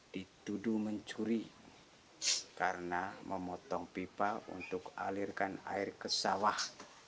dituduh mencuri karena memotong pipa untuk alirkan air ke sawah